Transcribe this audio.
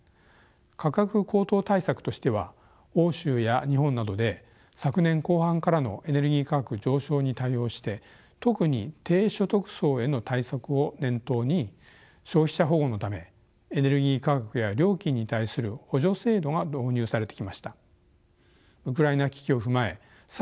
価格高騰対策としては欧州や日本などで昨年後半からのエネルギー価格上昇に対応して特に低所得層への対策を念頭に消費者保護のためエネルギー価格や料金に対する補助制度が導入されてきました。